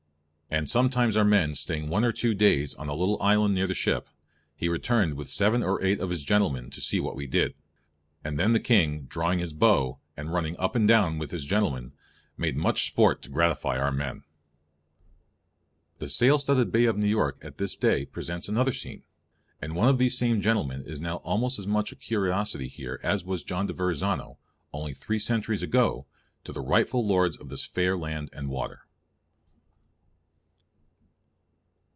And sometimes our men staying one or two days on a little island near the ship, he returned with seven or eight of his gentlemen to see what we did; then the King drawing his bow, and running up and down with his gentlemen, made much sport to gratify our men." The sail studded bay of New York at this day presents another scene; and one of these same "gentlemen" is now almost as much a curiosity here as was John de Verrazano, only three centuries ago, to the rightful lords of this fair land and water.